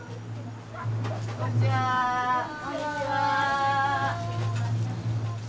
こんにちは！